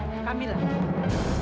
mbak kamila disuruh tinggal di sini